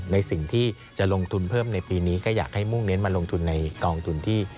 ในสิ่งที่จะลงทุนเพิ่มในปีนี้ก็อยากให้มุ่งเน้นมาลงทุนในกองทุนที่